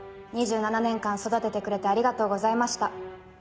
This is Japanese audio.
２７年間育ててくれてありがとうございました。